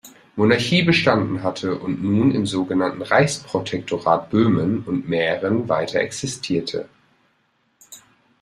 Monarchie bestanden hatte und nun im so genannten Reichsprotektorat Böhmen und Mähren weiter existierte.